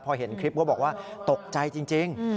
พอเห็นคลิปก็บอกว่าตกใจจริง